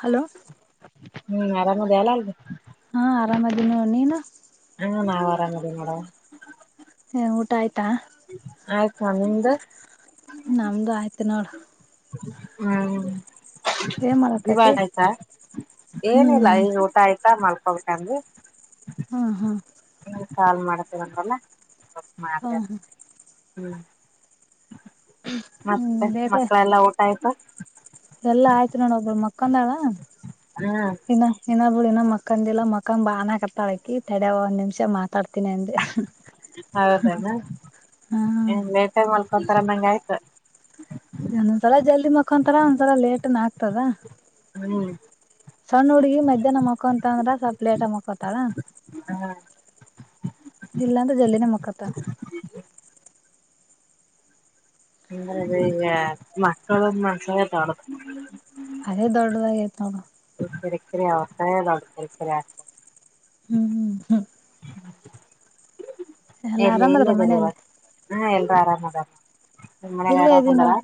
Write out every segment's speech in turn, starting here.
Hello ಹ್ಮ್ ಆರಾಮ ದಲ್ಲ ಅಲ್ಲ ಗಮ ದಿನ ಒನ್ನ ಹ ನಾನ್ ಆರಾಮ್ ಅದಿನ ನೋಡವ ಹ್ಮ ಊಟ ಆಯ್ತಾ ಆಯ್ತು ಮ ನಿಂದ ನಮ್ದು ಆಯ್ತು ತ್ತಿನೋಡ್ ಹ್ಮ್ ಏನ್ [unintelligible] ಮಾಡಕತಿ ಆಯ್ತಾ ಏನಿಲ್ಲ ಹ್ಮ್ ಈಗ ಊಟ ಆಯ್ತಾ ಮಲ್ಕೋಬೇಕ್ ಹಂಗ ಹಾ ಹಾ ಒಬ್ ಹಾ ಮಾತಾಡ್ತಿ ಹ್ಮ್ ಹ್ಮ್ ಮತ್ತೆ ಬೇಟ ಮಕ್ಕಳೆಲ್ಲಾ ಊಟ ಆಯ್ತು ಎಲ್ಲಾ ಆಯ್ತು ನೋಡ ಒಬ್ಬಳ ಮಕ್ಕಂದಾಳ ಹ್ಮ್ ಇನ್ನ ಬಿಡ ಇನ್ನ ಮಕ್ಕಂದಿಲ್ಲಾ ಮಕ್ಕಂದ ಬಾನ ಕತಾಳಕಿ ತಡೆ ಒಂದ್ ನಿಮಿಷ ಮಾತಾಡ್ತೀನಿ ಅಂದೆ ಹೌದೇನೆ ಹ್ಮ್ ಎನ್ ಲೇಟಾಗ್ ಮಾಲ್ ಒಂತರ ಮಂಗ ಆಯ್ತು ಇದ ಮಕ್ಕೊಂತರ ಒಂದ್ಸಲ ಲೇಟ್ನ್ ಆಗ್ತದ ಹ್ಮ ಸಣ್ಣ ಹುಡ್ಗಿ ಮಧ್ಯಾಹ್ನ ಮಕ್ಕೊಂತ ಅಂದ್ರ ಸ್ವಲ್ಪ್ ಲೇಟಾಗ್ ಮಕ್ಕೊತಾಳ? [inaudible] ಇಲ್ಲಾಂದ ಜಲ್ಲಿನಮ್ಮಕ್ಕತ್ತ ಎಂದ ಈಗ ಮಕ್ಕಳ ಮನಸರ ತಡ ಅದೇ ದೊಡ್ಡದಾಗೈತ್ ನೋಡು ಇರಿಕ್ಕರೆ ಅವಸ ನರೆ ಆ ಹ್ಮ್ ಹ್ಮ್ ಎಲ್ಲ ಎಲ್ಲಿ ಆರಾಮದ್ರ ಎಲ್ಲದರಿ ಇವ ಮನೇಲಿ ಹ ಎ ಪ್ಯಾರಾಮದ ಇಲ್ಲೇ ಇದ್ದೀ ನೋಡ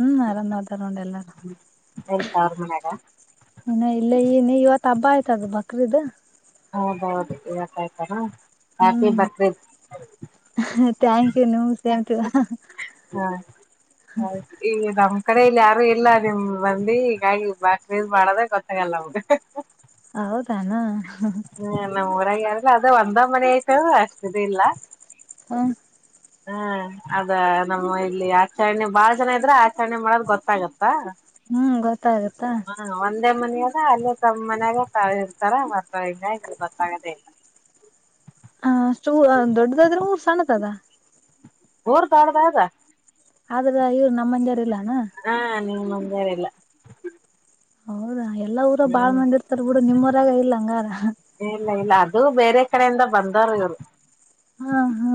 ಹ್ಮ್ ಆರಾಮ್ ಆತಾರ ನೋ ಎಲ್ಲಾರು ಎಲ್ ತ [unintelligible] ಅವ್ರ್ ಮನ್ಯಾಗ ತಬ್ ಆಯ್ತ ಅದು ಬಕ್ರೀದ ಹೌದೌದು ಇವತ್ ಆಯ್ತರಾ ಆಪಿ ಬಕ್ರೀದ್ ಹ ಥ್ಯಾಂಕ್ಯೂ ನಿಮಗೂ ಸೇಮ್ ಟು ಯು ಹ ಈ ನಮ್ ಕಡೆ ಇಲ್ ಯಾರು ಇಲ್ಲ ನಿಮ್ ಮಂದಿ ಈಗಾಗಿ ಬಾಕ್ರೀದ್ ಮಾಡದೆ ಗೊತ್ತಾಗಲ್ಲ ಹು ಹೌದಾನ ಹ್ಮ ನಮ್ಮ್ ಊರಾಗ ಯಾರ ಇಲ್ಲ ಅದ ಒಂದ ಮನೆ ಐತದ ಅಷ್ಟದ ಇಲ್ಲ ಹಾ ಹ್ಮ ಅದ ನಮ್ಮ ಇಲ್ಲಿ ಆಚರಣೆ ಬಾಳ ಜನ ಇದ್ರೆ ಆಚರಣೆ ಮಾಡೋದ ಗೊತ್ತಾಗತ್ತಾ. ಹ್ಮ್ ಗೊತ್ತಾಗತ್ತಾ ತಮ್ಮ ಮನಲ್ಲ ಅಲ್ಲೇ ತಮ್ಮ ಮನ್ಯಾಗ ತಾಳಿ ಇರ್ತಾರ ಮತಾಳ ಗೊತ್ತಾಗದೇ ಇಲ್ಲ ಹ ಅಷ್ಟು ದೊಡ್ಡದಾದ್ರೆ ಊರ್ ಸಣ್ಣತ್ದ ಊರ್ ದೊಡ್ಡದಾದ ಆದ್ರ ಇವ್ರು ನಮ್ಮ ಮಂದ್ಯರ ಇಲ್ಲಾನ. ಹ್ಮ್ ನಿಮ್ಮಂದ್ ದೇವ್ರಿಲ್ಲ. ಎಲ್ಲ ಊರಾಗ್ ಬಾಳ್ ಮಂದಿ ಇರ್ತಾರ್ ಬಿಡು. ನಿಮ್ ಊರಾಗ್ ಇಲ್ಲ ಅಂಗಾರ. ಇಲ್ಲ ಇಲ್ಲ ಅದು ಬೇರೆ ಕಡೆಯಿಂದ ಬಂದಾರ ಇವ್ರು. ಹಾ ಹಾ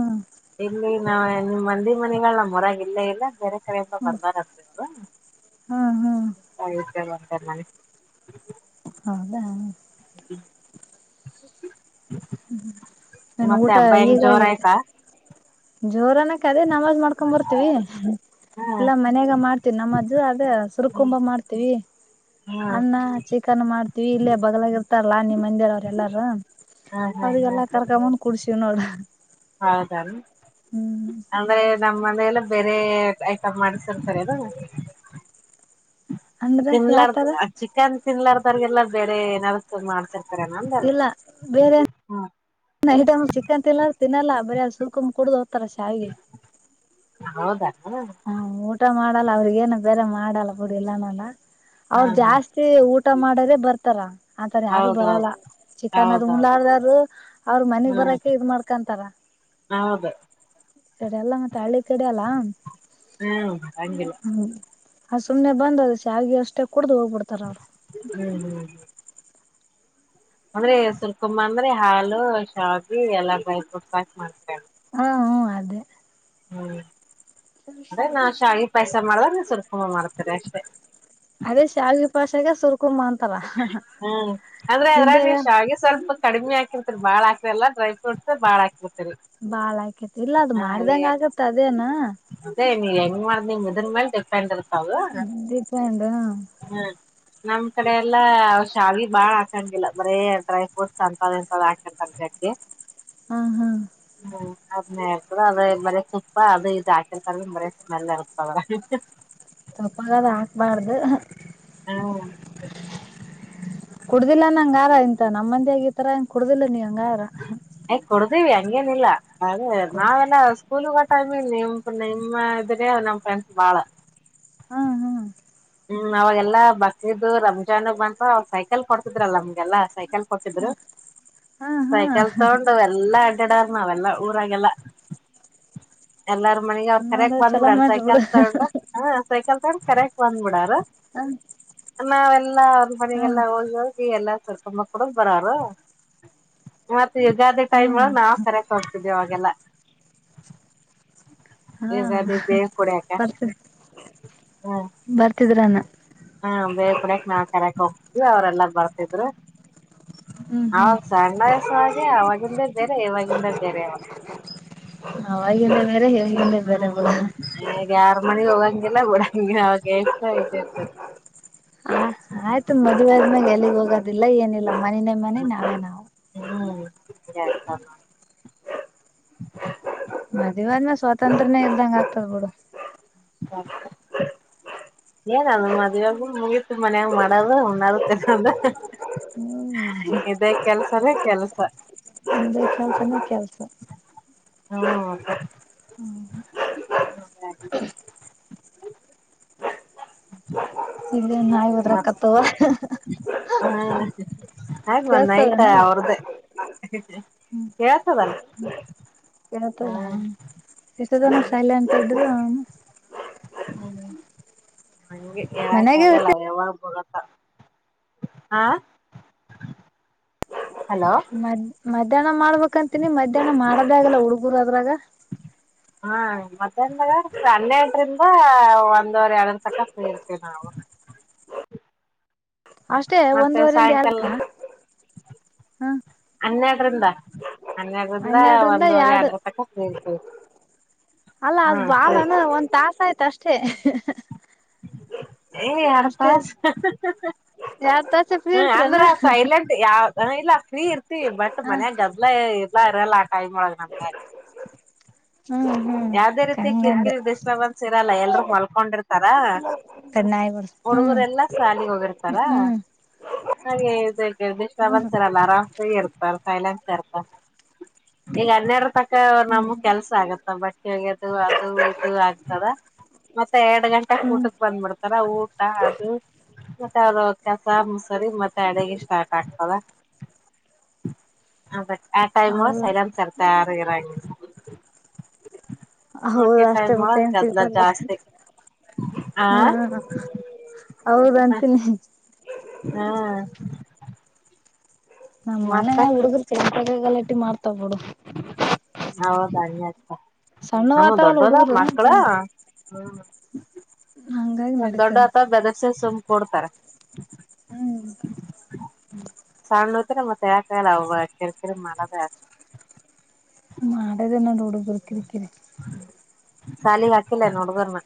ಹಮ್ ನಿಮ್ಮಂದಿ ಮನಿಗಳು ನಮ್ಮೂರಾಗ ಇಲ್ಲ ಇಲ್ಲ ಬೇರೆ ಹಮ್ ಬಂದಾರ್ ಅಂತ ಇವರು, ಹಾ ಹಾ [unintelligible] ತತ್ ನಾಯಿ ಹೌದಾ. [inaudible] ಹ್ಮ ನನ್ ಮತ್ತೆ ಊಟ ಹಬ್ಬ ಹೆಂಗ್ ಜೋರ್ ಈಗಾಗೈತೆ. ಆಯ್ತಾ ಜೋರ್ ಅನಕ್ ಅದೇ ನಮಾಜ್ ಮಾಡ್ಕೊಂಡ್ ಬರ್ತೀವಿ, ಹ್ಮ್ ಇಲ್ಲ ಮನೆಗೆ ಮಾಡ್ತೀವಿ ನಮಾಜ್, ಅದೇ ಹ್ಮ್ ಸುರಕುಂಭ ಮಾಡ್ತೀವಿ. ಹ್ಮ್ ಅಣ್ಣ ಚಿಕನ್ ಮಾಡ್ತೀವಿ, ಇಲ್ಲೇ ಬಗ್ಲಾಗ ಇರ್ತಾರಲ್ಲಾ ನಿಮ್ ಮಂದೇವ್ರು ಅವ್ರು ಎಲ್ಲಾರು, ಹ್ಮ್ ಅವ್ರಿಗೆಲ್ಲಾ ಕರ್ಕೊಂದ್ ಬಂದು ಕುಡ್ಸಿ ತಿನ್ನೋದ ಹಾ ಅಂದ್ರ ಏನ್? ನಮ್ಮ ಮನೇಲಿ ಬೇರೆ ಐಟಮ್ ಮಾಡ್ಸಿರ್ತಾರೇನೂ? ಅಂದ್ರೆ ತಿಂಲಾರ್ದ್ ಯಾವತರ ಅ ಚಿಕನ್ ತಿಂಲಾರದೋರಿಗೆಲ್ಲ ಬೇರೆ ಏನ್ ಆದ್ರು ಮಾಡ್ಸರಿ ಕರೆ ನಂದಲ ಹ್ಮ್ ನೈಟ್ ಏನ್ ಚಿಕ್ಕನ್ ತಿಂಲಾರ್ದ್ ತಿನಲ್ಲ ಬರೇ ಸೂರಕುಂಭ ಕುಡುದ ಹಾಕ್ತಾರಾ ಶಾವಿಗಿ ಹೌದಾ ಹ್ಮ್ ಹಾ ಊಟ ಮಾಡ ಇಲ್ಲ ಅವ್ರಿಗೆ ಏನ್ ಬೇರೆ ಮಾಡಲ್ಲ ಬಿಡು ಇಲ್ಲ ಅನಲ್ಲ ಅವರು ಹ್ಮ್ ಜಾಸ್ತಿ ಊಟ ಮಾಡೋರೇ ಬರ್ತಾರ ಆತರ ಯಾರು ಹೌದೌದು ಬರಲ್ಲ ಚಿಕನ್ ಅದು ಹೌದೌದು ಉಣ್ಣಲಾರದರೂ ಅವ್ರ ಮನಿಗ್ ಹ್ಮ್ ಬರಕೆ ಇದ ಮಾಡ್ಕೊಂತರ ಹೌದು ಈ ಕಡಿ ಎಲ್ಲ ಮತ್ತೆ ಹಳ್ಳಿ ಕಡೆಯಲ್ಲ [inaudible] ಹ್ಮ್ ಅಂಗಿಲ್ಲ ಹ ಸುಮ್ನೆ ಬಂದ್ ಶಾವಿಗೆ ಅಷ್ಟೇ ಕುಡ್ದು ಹೋಗಬುಡ್ತಾರಾ ಅವ್ರು ಹ್ಮ್ ಹ್ಮ್ ಅಂದ್ರೆ ಸುರ್ಕುಂಬ ಅಂದ್ರೆ ಹಾಲು ಕಾಫಿ ಎಲ್ಲಾ ಡ್ರೈ ಫ್ರೂಟ್ಸ್ ಹಾಕ ಮಾಡ್ತೇ ಹಾ ಹ ಅದೇ. ಹ್ಮ್ ಅದೇ ನಾನು ಶಾವ್ಗೆ ಪಾಯ್ಸ ಮಾಡಿದಾಗ ಸ್ವಲ್ಪ ಹು ಮಾಡ್ತಾರೆ ಅಷ್ಟೇ ಫಸ್ಟ್ಗೆ ಸುೂು ಮಾತ [inaudible] ಹ್ಮ್ ಆದ್ರೆ ಅದ್ರಗೆ ಶಾವ್ಗೆ ಸ್ವಲ್ಪ ಕಡಿಮೆ ಹಾಕಿರ್ತೀ ಬಾಳ ಡ್ರೈ ಫ್ರೂಟ್ಸ್ ಬಾಳ ಹಾಕಿರ್ತ್ರಿ ಬಾಳ ಆಕೇತಿ ಇಲ್ಲ ಅದು ಮಾಡ್ದಂಗ ಆಗತ್ತ ಅದೇನ ನೀ ಹೆಂಗ್ ಮಾಡ್ದೆ ಮಿಡನ್ ಮೇಲೆ [unintelligible] ದೀಪ ಇಂದ ಹ್ಮ್ ನಮ್ ಕಡೆ ಎಲ್ಲಾ ಶಾವಿಗೆ ಬಾಳ್ ಹಾಕೊಂಡಿಲ್ಲ ಬರೇ ಡ್ರೈ ಫ್ರೂಟ್ಸ್ ಅಂತ ಎಂತ ಹಾಕೊಂಡ ಜಡ್ಗೆ ಹ್ಮ ಹಾ ಅದ್ನೇ ಇತ ಅದ ಮರಿ ತುಪ್ಪ ಅದು ಇದ ಹಾಕಲ್ತ ಮರಿ ಸ್ಮೆಲ್ ಇರ್ತದ್ರ ಹು ಹು ತಪ್ಪಾದ್ರೆ ಹಾಕ್ಬಾರ್ದು ಹ್ಮ್ ಕುಡುದಿಲ್ಲ ನಂಗಗೆ ಆಾರ ಇಂತ ನಮ್ಮ ಮಂದಿ ಆಗಿತರಾ ಕುಡುದಿಲ್ಲ ನೀ ಹಂ [inaudible] ಇದ್ದೀವಿ ಹಂಗೇನಿಲ್ಲ ಅದೇ ನಾವೆಲ್ಲ ಕೂಲಗ ಟೈಮ ಇ ನಿಮ ನಿಮ್ಮ ಇದ್ರೆ ನಮ್ ಫ್ರೆಂಡ್ಸ್ ಬಾಳ ಹಾ ಹಾ ಹ್ಮ್ ಅವಾಗೆಲ್ಲಾ ಬಕ್ರೀದ್ ರಂಜಾನ್ಗ್ ಬಂತ ಅವಾಗ ಸೈಕಲ್ ಕೊಡ್ತಿದ್ರಲ್ಲ ನಮ್ಗೆಲ್ಲಾ ಸೈಕಲ್ ಕೊಟ್ಟಿದ್ರು ಹಾ ಹಾ ಸೈಕಲ್ ತಗೊಂಡು ಎಲ್ಲಾ ಗಡ ನಾವೆಲ್ಲ ಊರಾಗಲ್ಲ ಎಲ್ಲಾರ್ [inaudible] ಮನೆಗ್ ಅವರ ಕರಯಕ್ ನೋಡ ಚಲೋ ಬಂದ್ಬಿಡಲ್ಲ ಮಾಡ್ರಿ ಸೈಕಲ್ ಬಿಡು ತಗೊಂಡ್ ಹ್ ಸೈಕಲ್ ತಗೊಂಡ್ ಕರ [unintelligible] ಫೋನ್ ಮಾಡರ ಹ್ಮ [unintelligible] ಎಲ್ಲ ಅವ್ರ ಮನೆಗೆಲ್ಲ ಹೋಗು ಎಲ್ಲ ಶಿರಕುಂಬಾ ಕುಡಿದು ಬರರು ಮತ್ತೆ ಯುಗಾದಿ ಹಾ ಟೈಮ್ ಆಗ ನಾವವು ಕರೆಕ್ ಹೋಗತಿದೇವಿ ಅವಾಗೆಲ್ಲ ಹಾ ಯುಗಾದಿ ಬೇ ಕುಡಿಯಾಕ ಹು ಬರ್ತಿದ್ರಾನ ಬೇ ಕುಡಕ್ ನಾ ಕರಕ್ ಹೋಗ್ತಿದ್ವಿ ಅವ್ರಲ್ಲ ಬರ್ತಿದ್ರು ಹ್ಮ್ ಹ್ಮ್ ಅವಾಗ ಸಣ್ಣಾಯಸ ಹಾಗೆ ಅವವಾಗಿಂದ ಬೇರೆ ಇವಾಗಿಂದ ಬೇರೆ ಅವಾಗ ಹ [unintelligible] ಈಗ ಯಾರ ಮನೆಗೂ ಹೋಗಲ್ಲ ಹಗೆಲ್ಲ ಕಡ ಹಂಗೆ ಅವತ ಇದ ಇರ್ತ ಆಯ್ತು ಮದುವೆ ಆದ ಮ್ಯಾಲ ಎಲ್ಲಿಗ್ ಹೋಗೋದಿಲ್ಲ ಏನಿಲ್ಲ. ಮನೀನೆ ಮನಿ ನಾವೇ ನಾವು ಹ್ಮ್ ಮದ್ವಾ ಆದ್ಮೇಲೆ ಸ್ವಾತಂತ್ರನೇ ಇಲ್ದಂಗ ಆಗ್ತದ ಬಿಡು. ಏನ ಅದು ಮದುವೆ ಆದ್ಮೇಲೆ ಮುಗೀತ ಮನ್ಯಾಗ ಮಾಡದು ಉನ್ನೊದು ತಿನ್ನದು ಹ್ಮ್ ಇದೇ ಕೆಲ್ಸನ ಕೆಲ್ಸ. ಅ ಕೆಲ್ಸನ ಕೆಲಸ ಹ್ಮ ಮದ ಇಲ್ಲೇ ನಾಯಿ [inaudible] ಒದ್ರಕತ್ತವ. ಹಮ್ ಹಾಗಾಗಿ ಒಂದ ನೈಟ್ ಕೇಳ್ಸ್ತವೇನ ಅವ್ರ್ದ ಹೇಳ್ತದಲ್ಲ ಏನೋ ಅಂತಾರಲ್ಲ ಇಷ್ಟೊತ್ತನ ಸೈಲೆಂಟ್ ಇದ್ರು [unintelligible] ಹಂಗೆ ಹೇಳಕ್ ಮನ್ಯಾಗೆ ಆಗಲ್ಲ ಇರ್ತಿ ಅವ್ರ ಯಾವಾಗ ಬ ಹಾ ಹಲೋ ಮ ಮಧ್ಯಾಹ್ನ ಮಾಡ್ಬೇಕಂತನಿ ಮಧ್ಯಾಹ್ನ ಮಾಡದೇ ಆಗಲ್ಲ ಹುಡ್ಗುರು ಅದ್ರಾಗ. ಹಾ ಮಧ್ಯಾನದಾಗ ಹನ್ನೆರಡರಿಂದ ಒಂದವರ್ ಎರಡರ ತಕ ಫ್ರೀ ಇರ್ತೀವಿ ನಾವು. ಅಷ್ಟೇ ಮತ್ತೆ ಒಂದುವರೆಯಿಂದ ಸಾಯಂಕಾಲ ಎರಡಕ್ಕ ಹನ್ನೆರಡರಿಂದ. ಹನ್ನೆರಡರಿಂದ ಒಂದವರೆ ಎರಡ ತಕ್ಕ ಕುರ್ತಿವಿ. ಅಲ್ಲ ಅದು ಬಾಳನ ಒಂದ್ ತಾಸ ಆಯ್ತು ಅಷ್ಟೇ. ಏ ಅಷ್ಟೇ ಎರಡ್ತಸು ಎರಡ್ ತಾಸ ಫ್ರೀ ಹ್ಮ ಅಂದ್ರ ಇರ್ತರನ ಸೈಲೆಂಟ್ ಯಾವ ನನಗೆ ಇಲ್ಲ. ಫೀ ಇರ್ತಿ ಬಟ್ ಮನ್ಯಾಗ ಗದ್ದಲ. ಎಲ್ಲ [inaudible] ನಮಗೆ ಹ್ಮ್ ಹ್ಮ್ ಯಾವ್ದೇ ರೀತಿ ಕಂಗಂದೆ ಕಿರಿಕಿರಿ ಡಿಸ್ಟಬೆನ್ಸ್ ಇರಲ್ಲ ಎಲ್ರು ಮಲ್ಕೊಂಡಿರ್ತ ತಾರಾ ಕಣ್ಣಾಯಿ ಬರ್ಸ್ ಹ್ಮ್ ಹುಡುಗುರೆಲ್ಲ ಸಾಲಿಗೆ ಹೋಗಿರ್ತಾರ ಹ್ಮ್ ಹಾಗೆ ಶ ಹ್ಮ್ ಒಂದಸರಲ್ಲ ಆರಾಮ್ಸಾಗಿ ಇರ್ತ ಕೆಲ್ಸಯಲ ಸೇರ್ತ ಈಗ ಹನ್ನೆರಡು ತ ಅವ ನಮ್ಗ್ ಕೆಲ್ಸ ಆಗತ್ತ ಬಟ್. ಹೇಗದು ಅದು ಇದು ಆಗ್ತದ ಎರಡ ಗಂಟೆಗೆ ಹ್ಮ್ ಊಟಕ್ಕೆ ಬಂದುಬಿಡು. ತರ ಊಟ ಅದು ಮತ್ತೆ ಅವ್ರ ಕೆಸ ಮುಸರಿ ಮತ್ತೆ ಅಡಗೆ ಸ್ಟಾರ್ಟ್ ಆಗ್ತದ ಅ ಆ ಟೈಮ್ ಹೌದು ಸೈಡನ್ ಸರ್ತ ಯಾರ ಇರಂಗ ಹೌದು ಉಳಿಕೆ ಅಷ್ಟೇ ಟೈಮೊಳಗ ಮತ್ತೇನ್ ಗದಲ ಸಿಗ್ತದ ಜಾಸ್ತಿ ಆ. ಹೌದ ಅಂತನಿ ಹ್ಮ ನಮ್ ಮನೆಗ ಹುಡ್ಗುರ್ ಬೇಕಾಗೆ ಗಲಟಿ ಮಾಡ್ತಾವ್ ಬಿಡು ಹೌದ ಸಣ್ಣ ನಮ್ಮ ವಾತಾವಲ್ಲ ದೊಡ್ಡದ ಹುಡುಗರು ಮಕ್ಕಳ ಹ್ಮ ಹಂಗಾಗಿ ಸ ದೊಡ್ಡ ನಡೀತದ ಅತ ಬೆದ್ರುಸಿದ್ರು ಕೊಡ್ತಾರೆ ಹ್ಮ್ ಸಣ್ಣೋತ್ ನಮ್ಮ ತಕಾಯಾಲ ಅವ ಕಿರಿ ಕಿರಿಮಾಡೋದೇ [inaudible] ಮಾಡೋದನ್ನೋ ನೋಡು ಬುರ್ಕಿಕ್ಕೀರಿ ಸಾಲಿ ಕಾಕಿಲ್ಲ ನೋಡುಗರಣ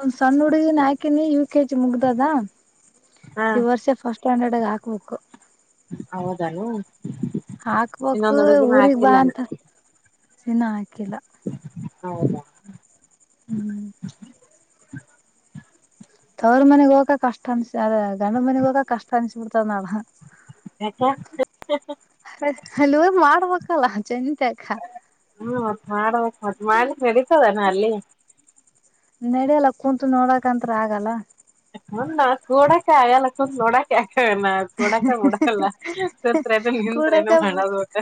ಒಂದ್ ಸಣ್ ಹುಡ್ಗಿನ ಹಾಕಿನೀ ಇವ್ ಕೆಜಿ ಮುಗ್ದದ ಹಾ ಈ ವರ್ಷ ಫಸ್ಟ್ ಸ್ಟ್ಯಾಂಡರ್ಡ್ಗೆ ಹಾಕ್ಬೇಕು ಹೌದನು ಹಾಕ್ಬಕ್ ಊರಿಗ್ ಹಾಕಿಲ್ಲಾನ ಬಾಂತ ಚನ್ನ ಹಾಕಿಲ್ಲ ಹೌದಾ ಹ್ಮ್ ತವ್ರ ಮನೆಗ್ ಹೋಗಕ ಕಷ್ಟ ಅನ್ಸ ಅದ ಗಂಡ ಮನೆಗ್ ಹೋಗಕ ಕಷ್ಟ ಅನ್ಸ ಬಿಡ್ತದ ನಾಳ ಯಾಕೆ ಅ ಅಲ್ಲಿ ಮಾಡ್ಬೇಕಲ್ಲ ಚೆನ್ತ್ ಅಕ ಹ್ಮ್ ಮತ್ತ ಮಾಡಬೇಕ ಮ ಮಾಡಲಿ ನಡೀತದಾನ ಅಲ್ಲಿ ನಡೆಯಲ್ಲ ಕುೂಂತು ನೋಡಕಂತತ್ರ ಆಗಲ್ಲ ನ ಕೂಡಕ್ಕೆ ಆಗಲ್ಲಕ್ಕ ನೋಡಕ್ಕೆಕ ಕೊಡಕ ಹಡಕಲ್ಲ ಸತ್ರೆನು ಕೂಡಕ ನಿನ್ತ್ರೇನು ಮಾಡದು ಊಟ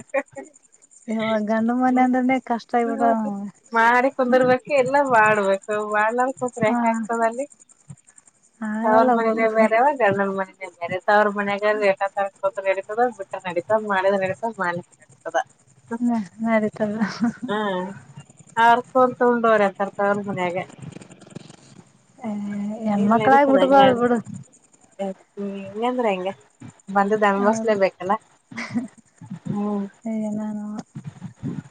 ಇವಾಗ ಗಂಡು ಮನೆ ಅಂದ್ರನೇ ಕಷ್ಟ ಆಗ್ಬಿಡ [inaudible] ಮಾಡಿ ಕುಂದರ್ಬೇಕ ಮಾಡಡ್ಬೇಕು ಹ್ರೆ ಹ ಆಗ್ತದೆ ಅಲ್ಲಿ ಅವನ್ ಹಾಗಲ್ಲ ಬಿಡು ಮನೆನೆ ಬೇರೆವಾಗ ಅರ್ ನನ್ ಮನೆ ಚಚ ತವರು ಮನೆಗಾದ್ರೆ ಇಷ್ಟೊತ್ತಾದ್ರು ತ ಬಿಟ್ಟ ನಡತ ಮಾಳದ ನಡತ ಮಾಲಿ ನಡತದ ಹ ನಡಿತದ ಆರ್ಕ ಹೊರ್ ತೊಂಡೋರ ತರ್ ತ ಅವ ಮುನಾಗ ಹ ಹೆಣ್ಮಕ್ಳಾಗ್ ಹುಟ್ದವ್ಳ್ ಬಿಡು ಹ್ಮ ಹೆಂಗಂದ್ರ ಹೆಂಗ ಬಂದ ದಣಬಸ್ಲೇ ಬೇಕಲ್ಲ ಹೇ ನಾನು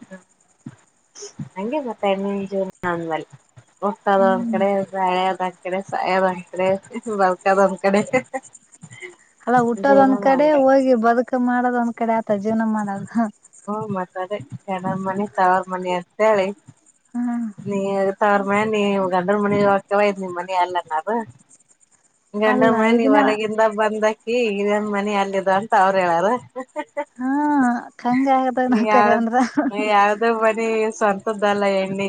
ಹ ನಂಗೆ ಮತ್ತೆ ಎಣ್ಣೆಂ ಜೂನ ಅಂದ್ಮಲೆ ಒಟ್ಟದ ಒಂದ್ ಹ್ಮ್ ಕಡೆ ಬಾಳೆದ್ ಒಂದ್ ಕಡೆ ಸಾಯದ ಒಂದ್ ಕಡೆ ಬರ್ಕದ ಒಂದ್ ಕಡೆ ಅಲ್ಲ ಹುಟ್ಟೋದ ಒಂದ್ ಜೀವನಾನ ಕಡೆ ಹಂಗೆ ಹೋಗಿ ಬದುಕ ಮಾಡೋದೊಂದ್ ಕಡೆ ಆತ ಜೀವನ ಮಾಡದ ಆಕಡೆ ಗಂಡನ ಮನಿ ತವರ್ ಮನಿ ಅಂತೇಳಿ ಹ ನೀ ತವರ್ ಮನಿ ನೀ ಗಂಡನ್ ಮನಿ ಹೋಕ್ಕಿ ಅವ್ವ ಇದ್ ನಿಮ ಮನಿ ಅಲ್ಲ ಆನೊಂದು ಗಂಡನ ಅಲ್ಲ ಮನಿ ನೀ ಇದನ್ನ ವರಗಿಂದ ಬಂದ ಈ ಇದೆನ್ ಮನಿ ಅಲ್ಲಿದಾ ಅಂತ ಅವ್ರ ಹೇಳ್ಯಾರ್. [inaudible] ಕಂಗ್ ಆದಣ ಕರಿ ಅಂದ್ರ ಬೆಲ್ಲ, ಎಣ್ಣೆ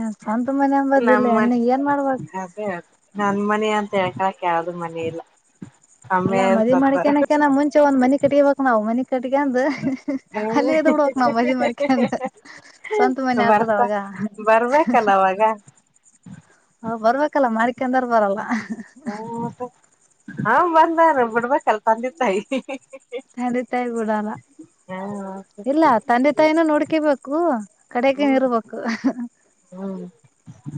ಏನ್ ಸ್ವಂತ ಮನ್ಯಾಗ್ ಬಂದಿಲ್ಲ ಹೆಣ್ಣ್ ಏನ್ ಮಾಡ್ಬೇಕ. ನಾನ್ ಮನಿ ಅಂತ ಹೇಳ್ಕೊಳಕ ಯಾವ್ದು ಮನಿ ಇಲ್ಲ. ಅಲ್ಲ ಅಮ್ಮೆ ಮದ್ವಿ ಸತ್ತಾರ ಮಾಡಿಕ್ಯಾನಕನ ಮುಂಚ ಮುಂಚೆ ಒನ್ ಮನಿ ಕಟ್ಟಿಗೋಬೇಕ್ ನಾವ್ ಮನಿ. ಕಟ್ಕಂದ ಅಲ್ಲಿ ಇದ್ದ ಬಿಡ್ ಬೆಕ್ ನಾವ್ ಮದ್ವಿ ಮಾಡ್ಕೊಂಡು ಸ್ವಂತ ಮನೆ ಆತದ ಬರ್ತಾ ಅವಾಗ ಬರ್ಬೇಕಲ್ಲ ಅವಾಗ ಬರ್ಬೇಕಲ್ಲ ಮಾಡಿ ಯಾಕಂದರ್ ಬರಲ್ಲ. ಹಾ ಬಂದಾನ ಬಿಡ್ಬೇಕಲ್ ತಂದೆ ತಾಯಿ. ತಂದೆ ತಾಯಿ ಬಿಡಲ್ಲ ಹ್ಮ್ ಇಲ್ಲ ತಂದೆ ತಾಯಿನೂ ನೋಡ್ಕೇಬೇಕು ಕಡೆಕು ಇರ್ಬೇಕು. ಹ್ಮ್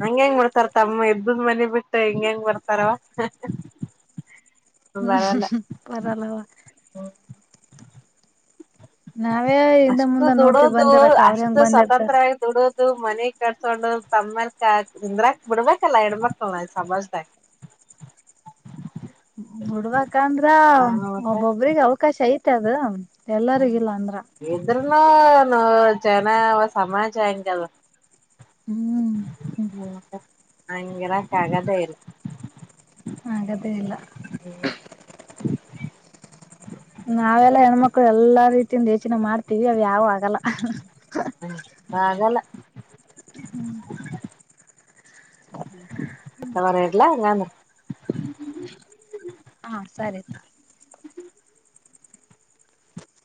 ಹಂಗೆಂಗ್ ಬರ್ತಾರ ತಮ್ ಇದದ್ ಮನಿ ಬಿಟ್ಟ ಹಂಗ್ಯಾಂಗ ಬರ್ತಾರವ. ಬರಲ್ಲ ಹ್ಮ್ ಬರಲ್ಲವಾ. ನಾವೇ ಹಿಂದ ಅಷ್ಟು ಮುಂದ ನೋಡ್ತಿವಿ ದುಡೋದು ಬಂದಿರಕ್ಕ ಅವ್ರ ಹೆಂಗ್ ಬಂದ ಇರ್ತಾರ. ಒಂದು ಮನೆ ಕಟ್ಕೊಂಡು [unintelligible] ನಿಂದ್ರಾಕ್ ಬಿಡ್ಬೇಕಲ್ಲ ಹೆಣ್ಣಮಕ್ಕಳ್ನ ಸಮಾಜದಾಗ್. ಬಿಡ್ಬೇಕಂದ್ರ ಒಬ್ಬೊಬ್ರಿಗೆ ಅವಕಾಶ ಐತೆ ಅದ್. ಎಲ್ಲರಿಗಿಲ್ಲ ಅಂದ್ರ. ನೋ ನೋ ಜನ ಸಮಾಜ ಹಂಗಲ್. ಹ್ಮ್ ಹು ಮತ್ತ್ ಅಂಗ್ ಇರಕ ಆಗದೆ ಇಲ್ಲ. ಆಗ್ಯಾದ್ ಎ ಇಲ್ಲ. ಹ್ಮ್ ನಾವೆಲ್ಲಾ ಹೆಣ್ಮಕ್ಳು ಎಲ್ಲಾ ರೀತಿಯಿಂದ ಇದ್ದ್ ಹೆಚ್ಚಿನ ಮಾಡ್ತೀವಿ ಅದು ಯಾವು ಆಗಲ್ಲ. ಆಗಲ್ಲ ಹಂಗಾರ್ ಇಡ್ಲ್ಯಾ ಅಂಗ ಅಂದ್ರ. ಹಾ ಸರಿ.